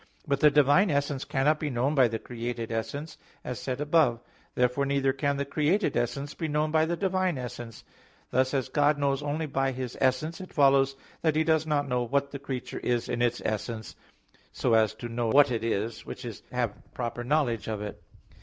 But the divine essence cannot be known by the created essence, as said above (Q. 12, A. 2). Therefore neither can the created essence be known by the divine essence. Thus as God knows only by His essence, it follows that He does not know what the creature is in its essence, so as to know "what it is," which is to have proper knowledge of it.